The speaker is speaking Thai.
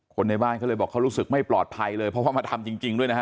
คนในบ้านเขาเลยบอกเขารู้สึกไม่ปลอดภัยเลยเพราะว่ามาทำจริงด้วยนะฮะ